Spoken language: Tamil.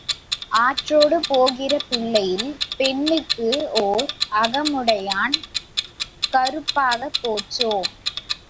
ஆற்றோடு போகிற பிள்ளையில் பெண்ணுக்கு ஓர் அகமுடையான் கருப்பாகப் போச்சோ?